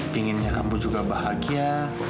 pengennya kamu juga bahagia